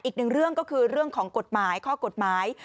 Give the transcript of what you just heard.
อีกหนึ่งเรื่องก็คือเรื่องของกฎหมายข้อกฎหมาย